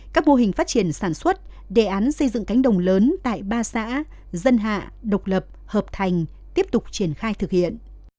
các mô hình phát triển sản xuất đề án xây dựng cánh đồng lớn tại ba xã dân hạ độc lập hợp thành tiếp tục triển khai thực hiện